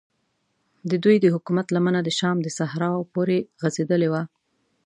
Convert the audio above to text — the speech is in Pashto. ددوی د حکومت لمنه د شام تر صحراو پورې غځېدلې وه.